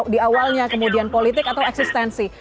di awalnya kemudian politik atau eksistensi